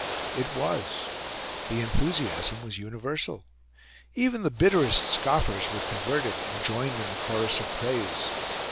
It was. The enthusiasm was universal; even the bitterest scoffers were converted, and joined in the chorus of praise.